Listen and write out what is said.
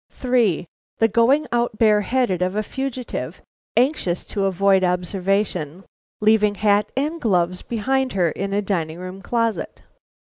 3. The going out bareheaded of a fugitive, anxious to avoid observation, leaving hat and gloves behind her in a dining room closet.